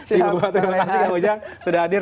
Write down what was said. terima kasih kang ujang sudah hadir